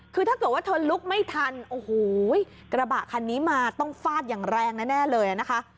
คือถ้าเกิดว่าเธอลุกไม่ทันโอ้โหกระบะคันนี้มาต้องฟาดอย่างแรงแน่เลยนะคะ